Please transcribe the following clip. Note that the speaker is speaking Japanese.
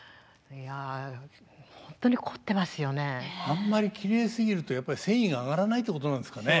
あんまりきれいすぎるとやっぱり戦意が上がらないってことなんですかね。